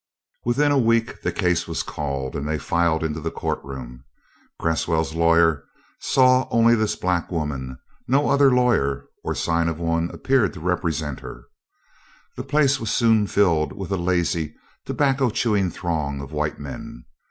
Within a week the case was called, and they filed into the courtroom. Cresswell's lawyer saw only this black woman no other lawyer or sign of one appeared to represent her. The place soon filled with a lazy, tobacco chewing throng of white men.